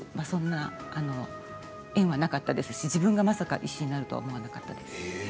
そんな縁はなかったですし自分がまさか医師になるとは思わなかったです。